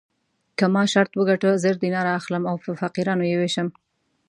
که ما شرط وګټه زر دیناره اخلم او په فقیرانو یې وېشم.